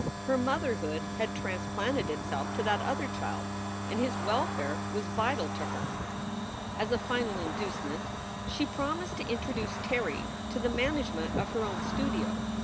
Her motherhood had transplanted itself to that other child, and his welfare was vital to her. As a final inducement she promised to introduce Terry to the management of her own studio.